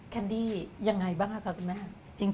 แคนดี้ยังไงบ้างคะคุณแม่